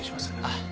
あっ。